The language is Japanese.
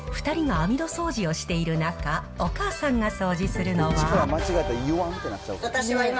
２人が網戸掃除をしている中、お母さんが掃除するのは。